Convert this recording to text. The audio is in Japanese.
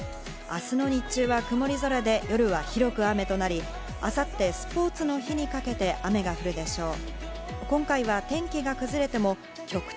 明日の日中は曇り空で、夜は広く雨となり、明後日、スポーツの日にかけて雨が降るでしょう。